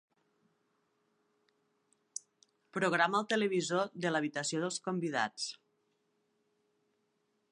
Programa el televisor de l'habitació dels convidats.